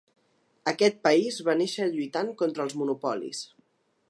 Aquest país va néixer lluitant contra els monopolis.